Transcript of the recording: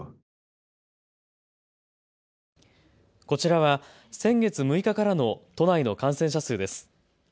こちらは先月６日からの都内の感染者数です。